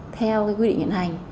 theo cái quy định hiện hành